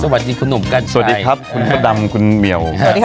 สวัสดีคุณหนุ่มกันสวัสดีครับคุณพระดำคุณเมียวสวัสดีค่ะ